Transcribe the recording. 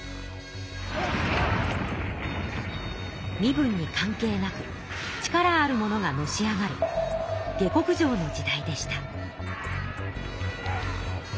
身分に関係なく力ある者がのし上がる下克上の時代でした。